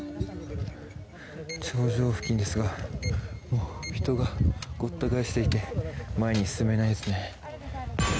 頂上付近ですが人がごった返していて前に進めないです。